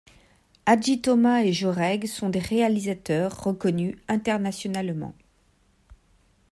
Hadjithomas et Joreige sont des réalisateurs reconnus internationalement.